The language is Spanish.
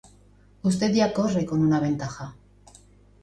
usted ya corre con una ventaja